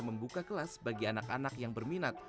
membuka kelas bagi anak anak yang berminat